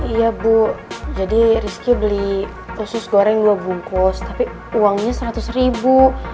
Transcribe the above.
iya bu jadi rizky beli usus goreng dua bungkus tapi uangnya seratus ribu